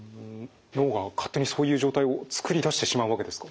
脳が勝手にそういう状態を作り出してしまうわけですか？